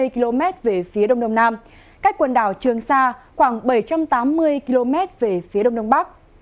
bốn trăm sáu mươi km về phía đông đông nam cách quần đảo trường sa khoảng bảy trăm tám mươi km về phía đông đông bắc